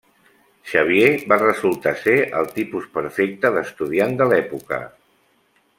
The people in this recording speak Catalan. Xavier va resultar ser el tipus perfecte d'estudiant de l'època.